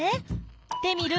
テミルン